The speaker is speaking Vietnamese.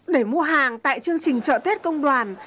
để mua hàng tại chương trình chợ tết công đoàn